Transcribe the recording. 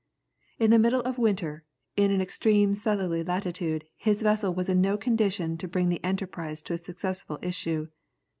In the middle of winter, in an extreme southerly latitude his vessel was in no condition to bring the enterprise to a successful issue.